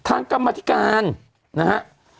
ทางกรรมณ์มาติการนะฮะ